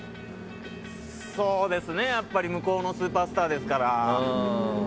そうですね、やっぱり向こうのスーパースターですから。